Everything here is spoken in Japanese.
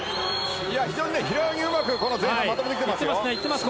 非常に平泳ぎはこの前半まとめてますよ。